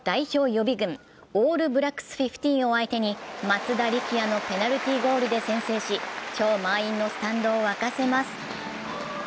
予備軍、オールブラックス・フィフティーンを相手に松田力也のペナルティーゴールで先制し超満員のスタンドを沸かせます。